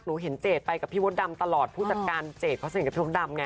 เห็นเจดไปกับพี่มดดำตลอดผู้จัดการเจดเขาสนิทกับพี่มดดำไง